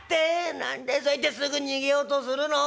何でそうやってすぐ逃げようとするの？